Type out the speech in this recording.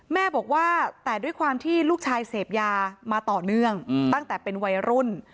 แม่บอกว่าแต่ด้วยความที่ลูกชายเสพยามาต่อเนื่องตั้งแต่เป็นวัยรุ่น